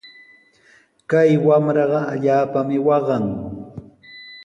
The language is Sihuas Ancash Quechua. Kay wamraqa allaapami waqan.